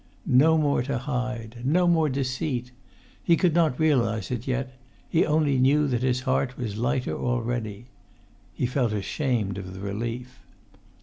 No more to hide! No more deceit! He could not realize it yet; he only knew that his heart was lighter already. He felt ashamed of the relief.